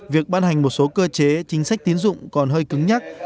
việc ban hành một số cơ chế chính sách tín dụng còn hơi cứng nhắc